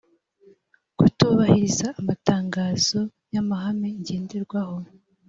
kutubahiriza amatangazo y amahame ngenderwaho